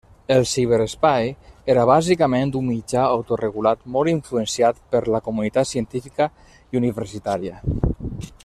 El ciberespai era bàsicament un mitjà autoregulat molt influenciat per la comunitat científica i universitària.